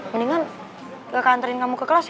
mendingan kakak anterin kamu ke kelas ya